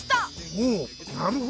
おおなるほど。